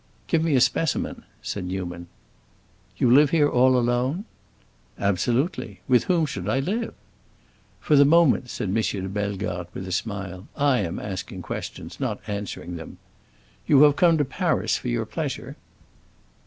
"Give me a specimen," said Newman. "You live here all alone?" "Absolutely. With whom should I live?" "For the moment," said M. de Bellegarde with a smile "I am asking questions, not answering them. You have come to Paris for your pleasure?"